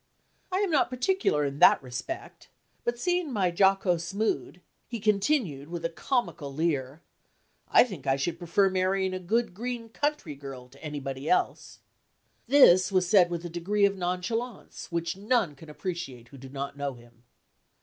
"I am not particular in that respect," but seeing my jocose mood, he continued, with a comical leer, "I think I should prefer marrying a good, green country girl, to anybody else." This was said with a degree of nonchalance, which none can appreciate who do not know him.